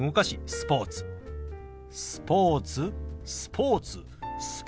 「スポーツ」「スポーツ」「スポーツ」。